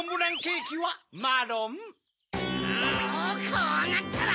こうなったら！